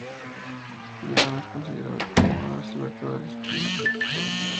Miron es considerado como uno de los libertarios más influyentes en los Estados Unidos.